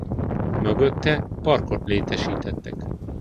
Mögötte parkot létesítettek.